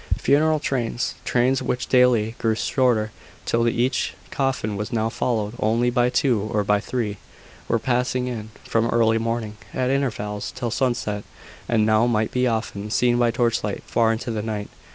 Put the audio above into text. Funeral trains trains which daily grew shorter, till each coffin was now followed only by two or by three were passing in from early morning, at intervals, till sunset, and now might be often seen by torchlight far into the night.